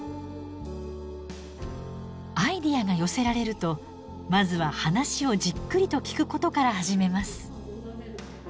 アイデアが寄せられるとまずは話をじっくりと聞くことから始めます。